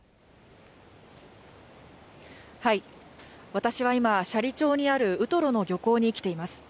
私は今、斜里町にあるウトロの漁港に来ています。